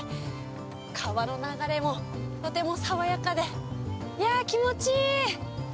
川の流れもとても爽やかで、いやー、気持ちいい。